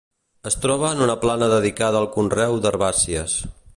Es troba en una plana dedicada al conreu d'herbàcies.